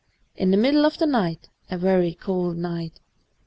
In the mid dle of the night — a very cold night!